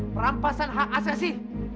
perampasan hak asesi